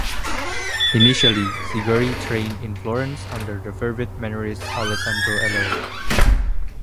Initially, Cigoli trained in Florence under the fervid mannerist Alessandro Allori.